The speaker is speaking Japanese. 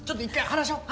話し合おう。